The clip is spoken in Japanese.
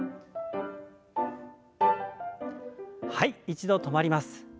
一度止まります。